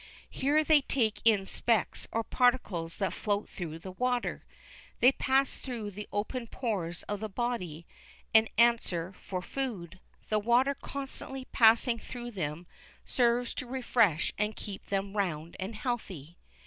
Here they take in specks or particles that float through the water; they pass through the open pores of the body, and answer for food. The water constantly passing through them serves to refresh and keep them round and healthy.